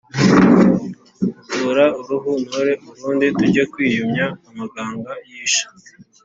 Tora uruho ntore urundi tujye kwiyumya-Amaganga y'isha.